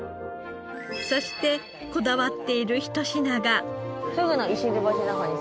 そしてこだわっている一品が。